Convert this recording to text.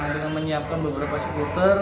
dengan menyiapkan beberapa skuter